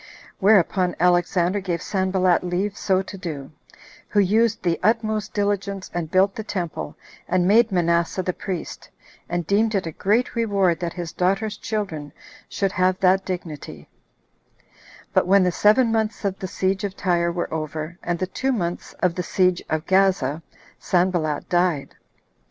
Whereupon Alexander gave Sanballat leave so to do, who used the utmost diligence, and built the temple, and made Manasseh the priest, and deemed it a great reward that his daughter's children should have that dignity; but when the seven months of the siege of Tyre were over, and the two months of the siege of Gaza, Sanballat died.